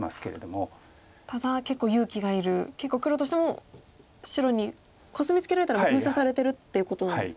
ただ結構勇気がいる結構黒としても白にコスミツケられたらもう封鎖されてるっていうことなんですね。